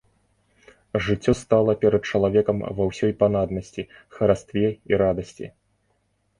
Жыццё стала перад чалавекам ва ўсёй панаднасці, харастве і радасці.